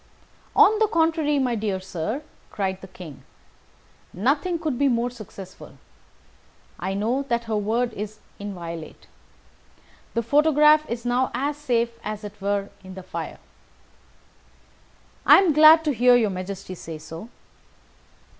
"On the contrary, my dear sir," cried the King; "nothing could be more successful. I know that her word is inviolate. The photograph is now as safe as if it were in the fire." "I am glad to hear your Majesty say so."